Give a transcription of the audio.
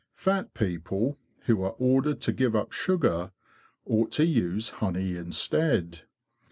Fat people, who are ordered to give up sugar, ought to use honey instead.